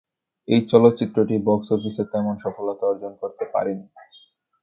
এই চলচ্চিত্রটি বক্স অফিসে তেমন সফলতা অর্জন করতে পারেনি।